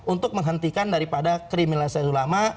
untuk menghentikan daripada kriminalisasi ulama